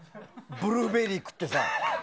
ブルーベリー食ってさ。